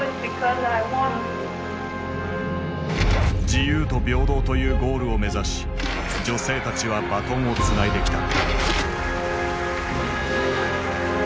自由と平等というゴールを目指し女性たちはバトンをつないできた。